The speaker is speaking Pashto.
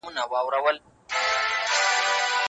که داسې ونشي ټولنه به له ستونزو سره مخ سي.